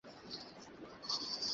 আমাকে বিস্ফোরণটা করতেই হতো।